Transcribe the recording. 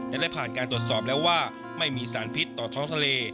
และได้ผ่านการตรวจสอบแล้วว่าไม่มีสารพิษต่อท้องทะเล